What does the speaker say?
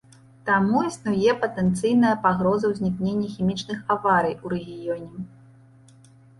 Таму існуе патэнцыйная пагроза ўзнікнення хімічных аварый у рэгіёне.